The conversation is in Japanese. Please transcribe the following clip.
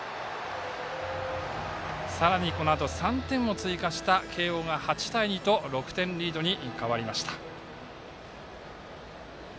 さらにこのあと３点を追加した慶応が８対２と６点リードに変わりました。